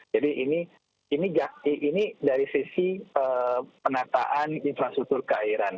jadi ini dari sisi penataan infrastruktur keairan